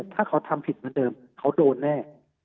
หากเค้าทำผิดก็ให้โดนแน่